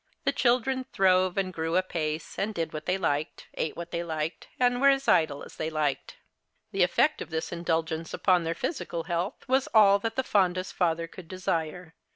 The c'hihlren throve and grew apace — did what they liked, ate what they liked, and were as idle as they liked. The effect of this indulgence upon their physical health was all that the fondest father could desire.